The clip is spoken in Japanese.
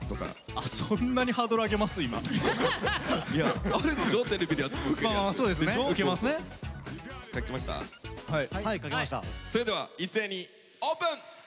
それでは一斉にオープン！